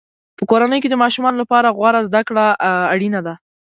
په کورنۍ کې د ماشومانو لپاره غوره زده کړه اړینه ده.